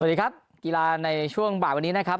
สวัสดีครับกีฬาในช่วงบ่ายวันนี้นะครับ